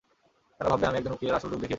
তারা ভাববে আমি একজন উকিলের আসল রূপ দেখিয়েছি।